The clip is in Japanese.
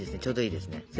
ちょうどいいですね。